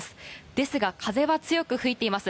ですが、風は強く吹いています。